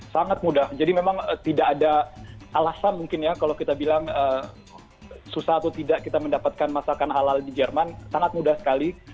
sangat mudah jadi memang tidak ada alasan mungkin ya kalau kita bilang susah atau tidak kita mendapatkan masakan halal di jerman sangat mudah sekali